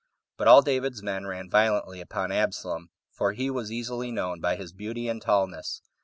But all David's men ran violently upon Absalom, for he was easily known by his beauty and tallness.